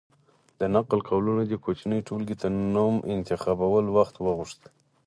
د نقل قولونو دې کوچنۍ ټولګې ته نوم انتخابول وخت وغوښت.